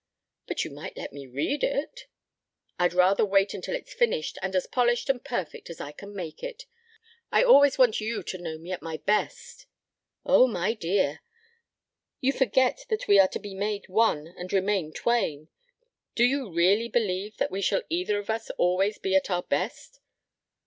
"But you might let me read it." "I'd rather wait until it's finished and as polished and perfect as I can make it. I always want you to know me at my best." "Oh, my dear! You forget that we are to be made one and remain twain. Do you really believe that we shall either of us always be at our best?"